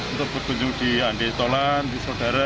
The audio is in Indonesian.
untuk berkunjung di andi tolan di saudara